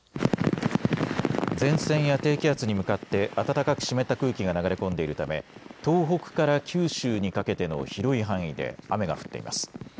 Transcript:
前線や低気圧に向かって暖かく湿った空気が流れ込んでいるため東北から九州にかけての広い範囲で雨が降っています。